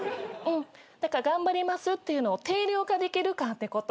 だから「頑張ります」っていうのを定量化できるかってこと。